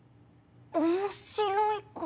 面白いこと？